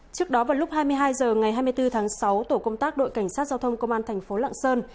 trước đó vào lúc hai mươi hai h ngày hai mươi bốn tháng sáu tổ công tác đội cảnh sát giao thông công an thành phố lạng sơn